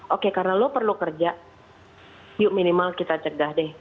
oke karena lo perlu kerja yuk minimal kita cegah deh